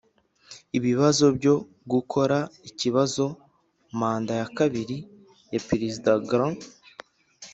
ibibazo byo gukora ikibazo manda ya kabiri ya perezida grant